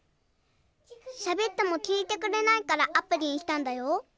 しゃべっても聞いてくれないからアプリにしたんだよ。